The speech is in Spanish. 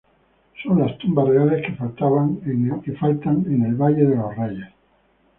Son las Tumbas reales que faltan en el Valle de los Reyes.